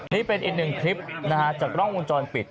นี่เป็นอีกหนึ่งคลิปนะฮะจากกล้องวงจรปิด